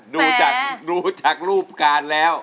ดูจากรูปการณ์แล้ว